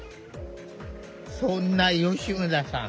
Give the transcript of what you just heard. そんな吉村さん